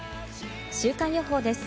週間予報です。